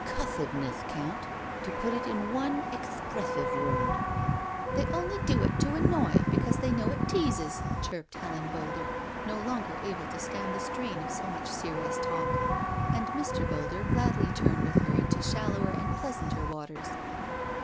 Cussedness, Count — to put it in one expressive word." 234 ffO SURRENDER " They only do it to annoy, because they know it teases/' chirped Helen Boulder, no longer able to stand the strain of so much serious talk; and Mr» Boulder gladly turned with her into shallower and pleasanter waters.